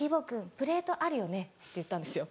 プレートあるよね？」って言ったんですよ。